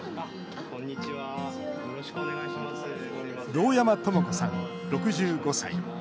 堂山智子さん、６５歳。